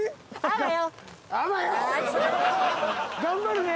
頑張るね。